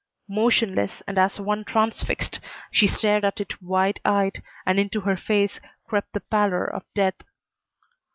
Motionless, and as one transfixed, she stared at it wide eyed, and into her face crept the pallor of death.